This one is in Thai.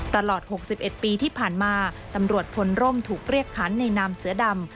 ตลอด๖๑ปีที่ผ่านมาตำรวจพลร่มถูกเรียกขันในนามเสือดำ